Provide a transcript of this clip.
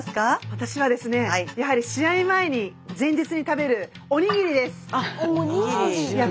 私はですねやはり試合前に前日に食べるおにぎりです。